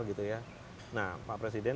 gitu ya nah pak presiden